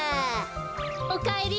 おかえり。